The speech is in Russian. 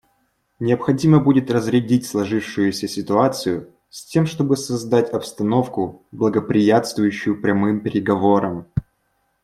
Необходимо будет разрядить сложившуюся ситуацию, с тем чтобы создать обстановку, благоприятствующую прямым переговорам.